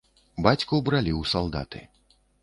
Бацьку бралі ў салдаты.